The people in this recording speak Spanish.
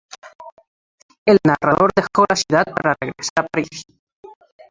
El narrador dejo la ciudad para regresar a París.